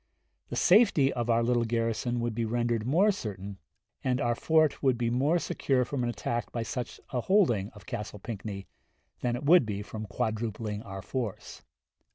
The safety of our little garrison would be rendered more certain, and our fort would be more secure from an attack by such a holding of Castle Pinckney, than it would be from quadrupling our force.